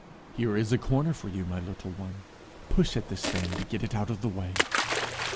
here is a corner for you, my little one: push at this thing to get it out of the way'!